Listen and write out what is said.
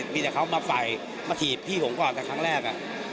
มีแต่เขามาไฟมาขับตัวปุ้งก่อนอันแรก